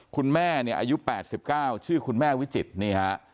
คุณแม่เนี่ยอายุ๘๙ชื่อคุณแม่วิจิตรนี่ฮะ